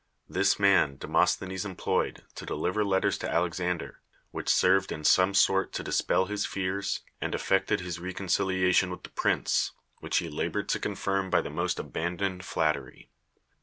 This man Demos thenes employed to deliver letters to Alexander, which served in some sort to dispel his fears, and effected his reconciliation with the prince, which he labored to confirm by the most abandoned flattery.